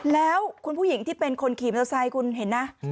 แล้วคุณผู้หญิงที่เป็นคนขี่มอเตอร์ไซค์คุณเห็นนะ